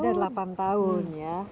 udah delapan tahun ya